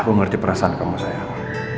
aku mengerti perasaan kamu sayang